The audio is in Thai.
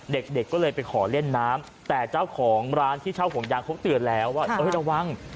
เด็กก็เลยไปขอเล่นน้ำแต่เจ้าของร้านที่เช่าห่วงยางเขาเตือนแล้วว่าระวัง